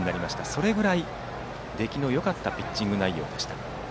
それぐらい出来のよかったピッチング内容でした。